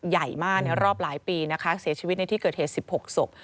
ใหญ่มากในรอบหลายปีนะคะเสียชีวิตในที่เกิดเหตุ๑๖ศพ